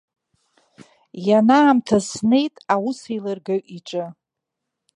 Ианаамҭаз снеит аусеилыргаҩ иҿы.